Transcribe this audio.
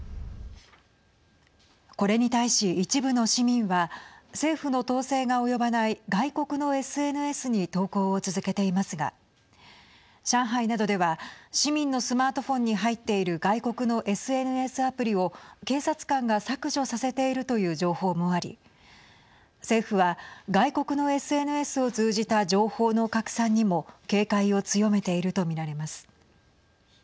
これに対し、一部の市民は政府の統制が及ばない外国のＳＮＳに投稿を続けていますが上海などでは市民のスマートフォンに入っている外国のＳＮＳアプリを警察官が削除させているという情報もあり政府は外国のＳＮＳを通じた情報の拡散にも警戒を強めていると見られます。